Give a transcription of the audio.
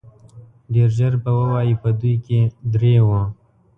ډېر ژر به ووايي په دوی کې درې وو.